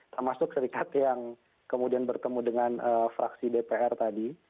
termasuk serikat yang kemudian bertemu dengan fraksi dpr tadi